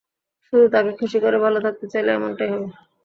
শুধু তাকে খুশি করে ভালো থাকতে চাইলে এমনটাই হবে।